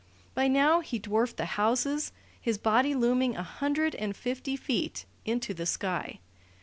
By now he dwarfed the houses, his body looming a hundred and fifty feet into the sky.